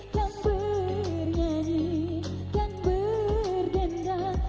kan bernyanyi kan berdendam